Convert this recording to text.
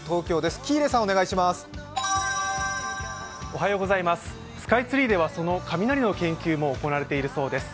スカイツリーではその雷の研究も行われているそうです。